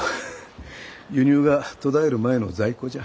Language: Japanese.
輸入が途絶える前の在庫じゃ。